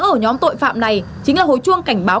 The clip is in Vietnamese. ở nhóm tội phạm này chính là hối chuông cảnh báo